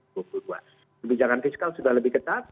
kebijakan fiskal sudah lebih ketat